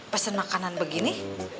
pesen makanan begini